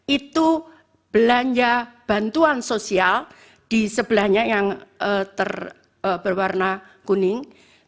itu belanja bantuan sosial di sebelahnya yang berwarna kuning